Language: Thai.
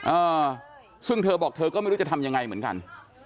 เออซึ่งเธอบอกเธอก็ไม่รู้จะทำยังไงเหมือนกัน